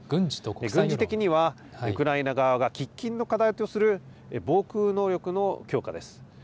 軍事的にはウクライナ側が喫緊の課題とする防空能力の強化です。